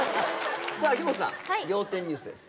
秋元さん仰天ニュースです。